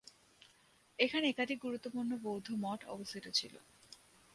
এখানে একাধিক গুরুত্বপূর্ণ বৌদ্ধ মঠ অবস্থিত ছিল।